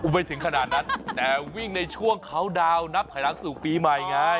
ไม่ถึงขนาดนั้นแต่วิ่งในช่วงเขาดาวนนับถอยหลังสู่ปีใหม่ไง